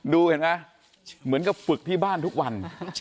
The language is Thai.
ดูเห็นไหมเหมือนกับฝึกที่บ้านทุกวัน